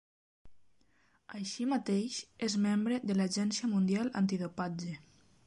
Així mateix és membre de l'Agència Mundial Antidopatge.